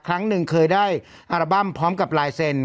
ครั้งหนึ่งเคยได้อัลบั้มพร้อมกับลายเซ็น